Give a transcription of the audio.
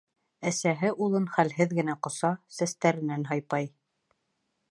Әсәһе улын хәлһеҙ генә ҡоса, сәстәренән һыйпай.